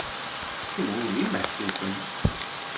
Kenwi d imehtufen.